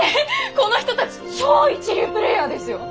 この人たち超一流プレーヤーですよ！？